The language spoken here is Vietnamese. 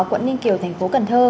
quận ninh kiều tp cn